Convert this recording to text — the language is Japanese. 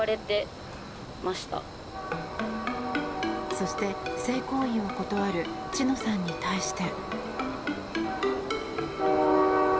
そして、性行為を断る知乃さんに対して。